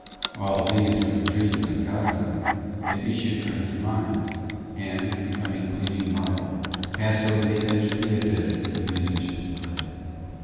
All these were the dreams of Gaznak, and issued from his mind, and, becoming gleaming marble, passed over the edge of the abyss as the musicians played.